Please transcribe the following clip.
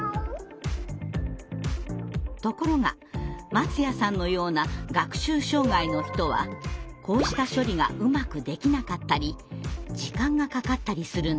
ところが松谷さんのような学習障害の人はこうした処理がうまくできなかったり時間がかかったりするんだそうです。